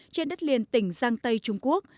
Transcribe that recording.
trên đất liền tỉnh giang tây trung quốc